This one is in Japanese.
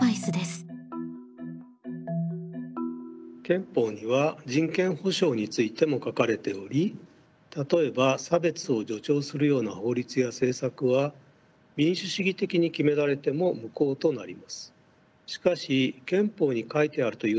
憲法には人権保障についても書かれており例えば差別を助長するような法律や政策は民主主義的に決められても無効となります。